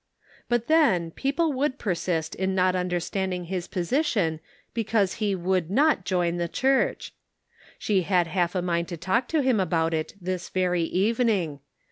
But then, peo ple would persist in not understanding his position because he would not join the church! She had half a mind to talk to him about it this very evening.